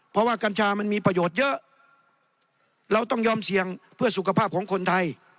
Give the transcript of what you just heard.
เพราะว่ากัญชามันมีประโยชน์เยอะเราต้องยอมเสี่ยงเพื่อสุขภาพของคนไทย